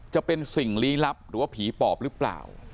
จะเป็นสิ่งลี้ลับหรือว่าผีปอบหรือเปล่า